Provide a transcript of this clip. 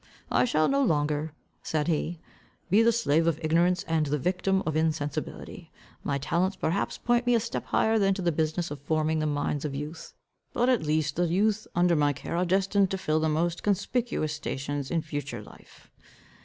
"I shall no longer," said he, "be the slave of ignorance, and the victim of insensibility. My talents perhaps point me a step higher than to the business of forming the minds of youth. But, at least, the youth under my care are destined to fill the most conspicuous stations in future life.